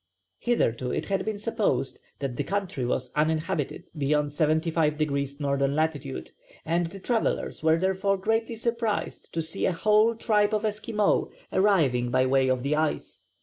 Hitherto it had been supposed that the country was uninhabited beyond 75 degrees N. lat., and the travellers were therefore greatly surprised to see a whole tribe of Esquimaux arrive by way of the ice.